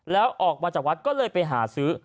แล้วออกมาจากวัดก็เลยไปหาซื้อ